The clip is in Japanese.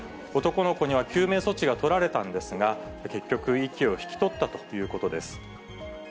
男の子には救命措置が取られたんですが、結局、息を引き取ったということです。